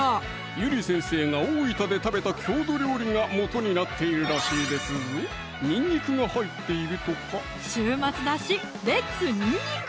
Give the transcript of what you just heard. ゆり先生が大分で食べた郷土料理がもとになってるらしいですぞにんにくが入っているとか週末だしレッツにんにく！